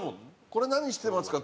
「これ何してますか？」